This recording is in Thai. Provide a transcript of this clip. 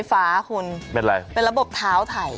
สกุตเตอร์ค่ะ